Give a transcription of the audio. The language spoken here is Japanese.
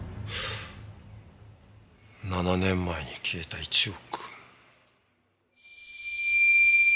７年前に消えた１億。